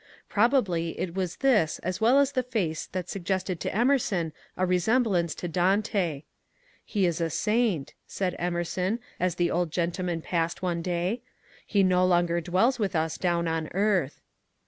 Probably it was this as well as the face that suggested to Emerson a resemblance to Dante. ^^ He is a saint," said Emerson as the old gentleman passed one day ;^' he no longer dwells with u& down on earth."